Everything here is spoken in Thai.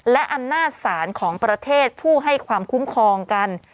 และอำนาจศาลของประเทศผู้ให้ความคุ้มครองกัน